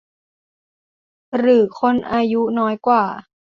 หรือคนอายุน้อยกว่า